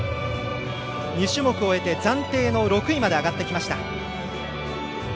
２種目を終えての暫定の６位まで上がってきました。